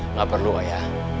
nggak perlu ayah